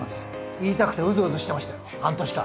言いたくてウズウズしてましたよ半年間。